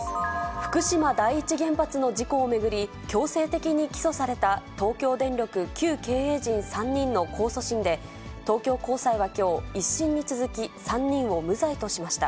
福島第一原発の事故を巡り、強制的に起訴された東京電力旧経営陣３人の控訴審で、東京高裁はきょう、１審に続き３人を無罪としました。